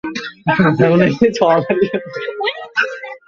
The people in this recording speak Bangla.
যারা যায় পেটের ধান্দায় যায়, আপনার যাবার দরকার?